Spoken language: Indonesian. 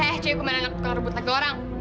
eh coba gue main anak tukang rebut lagi orang